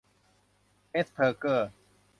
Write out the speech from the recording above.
แอสเพอร์เกอร์